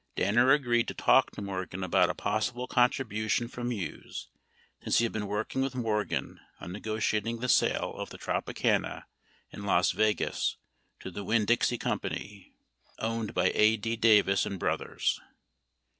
19 Danner agreed to talk to Morgan about a possible contribution from Hughes, since he had been working with Morgan on negotiating the sale of the Tropicana in Las Yegas to the Winn Dixie Co. (owned by A. D. Davis and brothers)